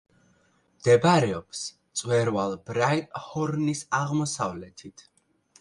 მდებარეობს მწვერვალ ბრაიტჰორნის აღმოსავლეთით.